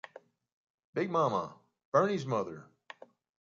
Big Mama - Bernie's mother.